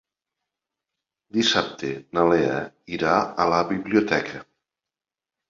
Dissabte na Lea irà a la biblioteca.